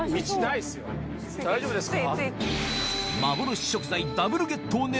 大丈夫ですか？